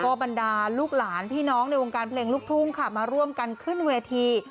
ก็บรรดาลูกหลานพี่น้องในวงการเพลงลูกทุ่งค่ะมาร่วมกันขึ้นเวที